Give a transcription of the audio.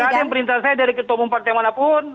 tidak ada yang perintah saya dari ketua umum partai manapun